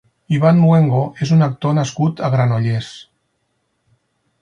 Iván Luengo és un actor nascut a Granollers.